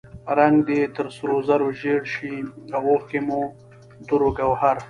رنګ دې تر سرو زرو زیړ شي او اوښکې مې دُر و ګوهر.